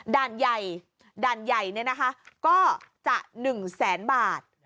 ด่านใหญ่ด่านใหญ่เนี่ยนะคะก็จะ๑๐๐๐๐๐บาท